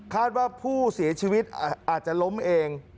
ว่าผู้เสียชีวิตอาจจะล้มเอง